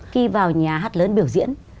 khi vào nhà hát lớn biểu diễn